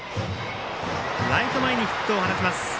ライト前にヒットを放ちます。